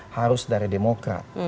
harus dari demokrat